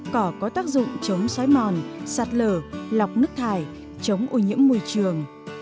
cỏ có tác dụng chống xói mòn sạt lở lọc nước thải chống ô nhiễm môi trường